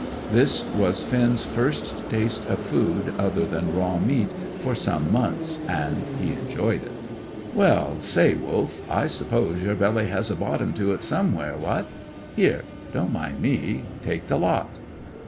This was Finn's first taste of food other than raw meat for some months, and he enjoyed it. "Well, say, Wolf, I suppose your belly has a bottom to it, somewhere, what? Here; don't mind me; take the lot!"